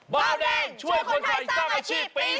เบาแดงช่วยคนไทยสร้างอาชีพปี๒๕